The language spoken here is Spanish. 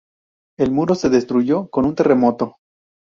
El muro se destruyó con un terremoto.